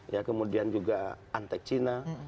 ya kemudian juga antek cina